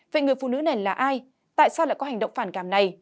vậy người phụ nữ này là ai tại sao lại có hành động phản cảm này